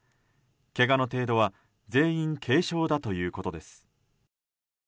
けがの程度は全員軽傷だということです。